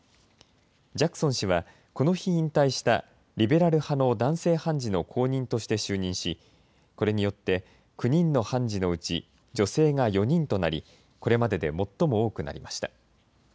ジャクソン氏はこの日、引退したリベラル派の男性判事の後任として就任し、これによって９人の判事のうち女性が４人となりこれまでで最も多くなりました。